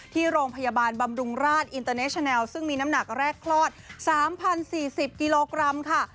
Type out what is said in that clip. ที่โรงพยาบาลบำรุงราชอินเตอร์เนชแนลซึ่งมีน้ำหนักแรกคลอด๓๐๔๐กิโลกรัมค่ะ